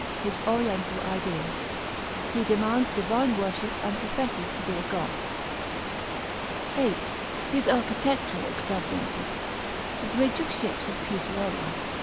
His oriental ideas. He demands divine worship and professes to be a god. § 8. His architectural extravagance. The bridge of ships at Puteoli.